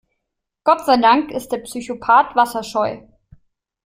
Gott sei Dank ist der Psychopath wasserscheu.